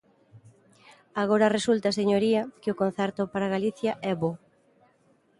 Agora resulta, señoría, que o concerto para Galicia é bo.